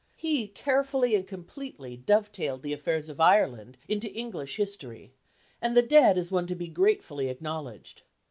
He carefully and completely dovetailed the affairs of Ireland into English History, and the debt is one to be gratefully acknowledged.